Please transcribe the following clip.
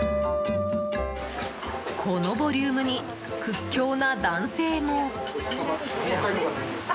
このボリュームに屈強な男性も。